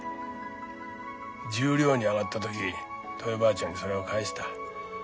十両に上がった時トヨばあちゃんにそれを返した。